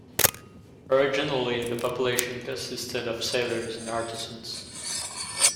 Originally, the population consisted of sailors and artisans.